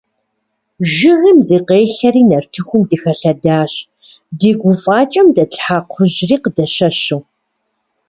Жыгым дыкъелъэри нартыхум дыхэлъэдэжащ, ди гуфӀакӀэм дэтлъхьа кхъужьри къыдэщэщу.